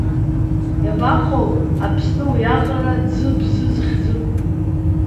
Иабаҟоу Аԥсны уиаҟара ӡы Бзы зыхьӡу?!